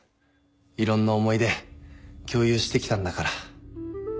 いろんな思い出共有してきたんだから。